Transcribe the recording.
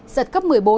sật cấp một mươi bốn